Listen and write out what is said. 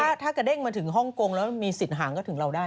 ถ้ากระเด้งมาถึงฮ่องกงแล้วมีสิทธิห่างก็ถึงเราได้